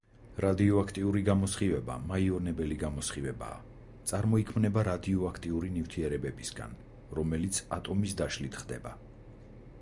რადიოაქტიური გამოსხივება მაიონებელი გამოსხივებაა, წარმოიქმნება რადიოაქტიური ნივთიერებებისგან, რომელიც ატომის დაშლით ხდება.